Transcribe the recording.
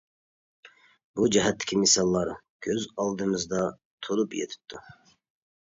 بۇ جەھەتتىكى مىساللار كۆز ئالدىمىزدا تولۇپ يېتىپتۇ!